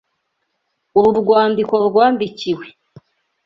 Uru rwandiko rwandikiwe.